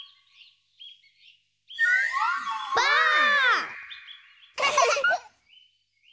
ばあっ！